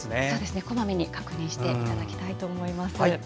こまめに確認していただきたいと思います。